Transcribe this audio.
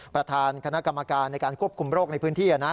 ประธานคณะกรรมการในการควบคุมโรคในพื้นที่นะ